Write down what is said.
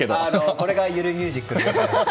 これがゆるミュージックなんです。